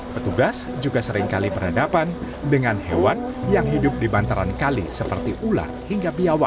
petugas juga seringkali berhadapan dengan hewan yang hidup di bantaran kali seperti ular hingga biawa